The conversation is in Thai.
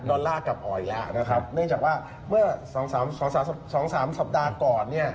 อลลาร์กับออยแล้วนะครับเนื่องจากว่าเมื่อ๒๓สัปดาห์ก่อนเนี่ย